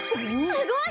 すごい！